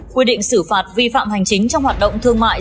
quy định xử phạt vi phạm hành chính trong hoạt động thương mại